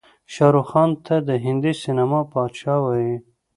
شاروخ خان ته د هندي سينما بادشاه وايې.